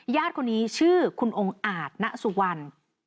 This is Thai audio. ญาติคนนี้ชื่อคุณองอาจณสุวรรณ